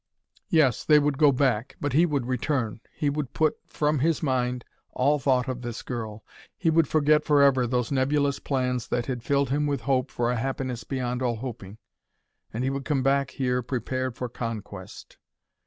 Yes, they would go back, but he would return. He would put from his mind all thought of this girl; he would forget forever those nebulous plans that had filled him with hope for a happiness beyond all hoping. And he would come back here prepared for conquest.